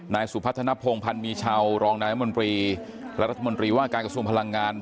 นายสุพัฒนภงพันธ์มีชาวรองนายรัฐมนตรีและรัฐมนตรีว่าการกระทรวงพลังงาน